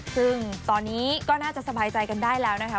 ซึ่งตอนนี้ก็น่าจะสบายใจกันได้แล้วนะคะ